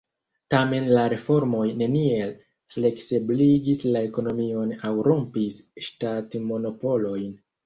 Tamen la reformoj neniel fleksebligis la ekonomion aŭ rompis ŝtatmonopolojn.